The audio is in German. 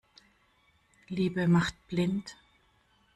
Liebe macht blind.